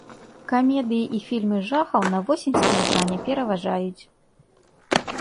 Камедыі і фільмы жахаў на восеньскім экране пераважаюць.